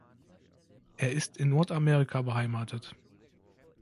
Er ist in Nordamerika beheimatet.